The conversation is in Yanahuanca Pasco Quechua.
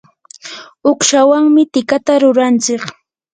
uqshawanmi tikata rurantsik.